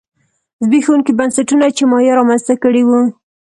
زبېښونکي بنسټونه چې مایا رامنځته کړي وو